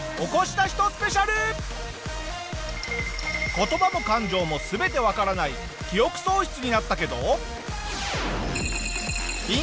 言葉も感情も全てわからない記憶喪失になったけど。